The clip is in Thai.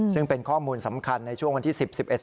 ซึ่งเป็นข้อมูลสำคัญในช่วงวันที่๑๐๑๑